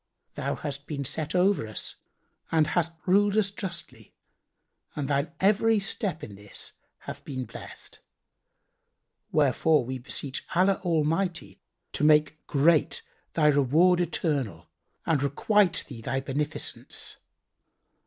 Thou hast been set over us and hast ruled us justly and thine every step in this hath been blessed; wherefore we beseech Allah Almighty to make great thy reward eternal and requite thee thy beneficence.